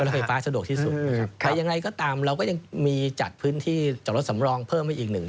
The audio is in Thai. ไฟฟ้าสะดวกที่สุดแต่อย่างไรก็ตามเราก็ยังมีจัดพื้นที่จอดรถสำรองเพิ่มไปอีกหนึ่ง